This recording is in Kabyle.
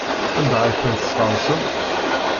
Anda ay ten-tesɣersem?